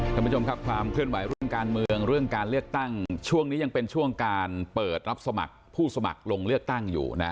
ท่านผู้ชมครับความเคลื่อนไหวเรื่องการเมืองเรื่องการเลือกตั้งช่วงนี้ยังเป็นช่วงการเปิดรับสมัครผู้สมัครลงเลือกตั้งอยู่นะ